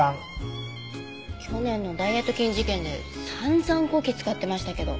去年のダイエット菌事件で散々こき使ってましたけど。